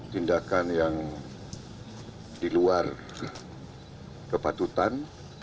tindakan yang diluar kepatutan